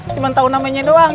cuma tau namanya doang